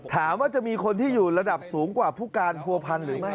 ถามว่าจะมีคนที่อยู่ระดับสูงกว่าผู้การผัวพันธ์หรือไม่